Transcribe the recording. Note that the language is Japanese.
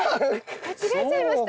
間違えちゃいました？